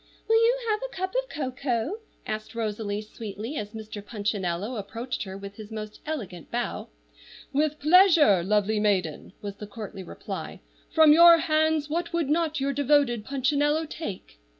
"Will you have a cup of cocoa?" asked Rosalie, sweetly, as Mr. Punchinello approached her with his most elegant bow. "With pleasure, lovely maiden!" was the courtly reply. "From your hands what would not your devoted Punchinello take?"